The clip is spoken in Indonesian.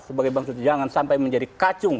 sebagai bangsa jangan sampai menjadi kacung